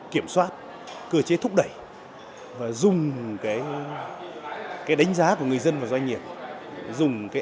từ p side đã được áp dụng